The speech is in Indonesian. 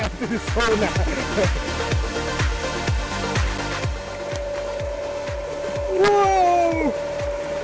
kita akan menuju sauna